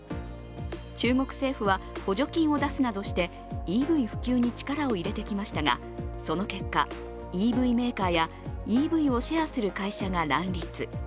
中国政府は補助金を出すなどしてＥＶ普及に力を入れてきましたがその結果、ＥＶメーカーやＥＶをシェアする会社が乱立。